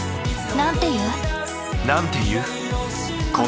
なんて言う？